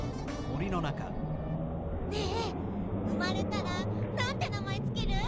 ねえ生まれたらなんてなまえつける？